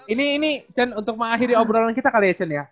ini cen untuk mengakhiri obrolan kita kali ya chen ya